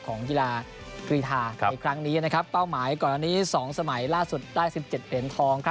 ของกีฬากรีทาครับอีกครั้งนี้นะครับเป้าหมายก่อนอันนี้สองสมัยล่าสุดได้สิบเจ็ดเหรียญทองครับ